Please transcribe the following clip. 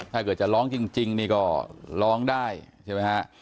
ถ้าเกิดจะร้องจริงนี่ก็ร้องได้ใช่ไหมฮะ